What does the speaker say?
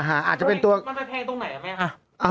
อ่าอาจจะเป็นตัวมันไม่แพงตรงไหนอ่ะมั้ยคะ